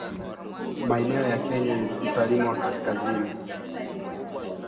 maeneo ya kaskazini mwa Kenya